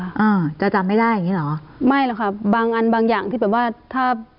อ่าจะจำไม่ได้อย่างงี้เหรอไม่หรอกค่ะบางอันบางอย่างที่แบบว่าถ้า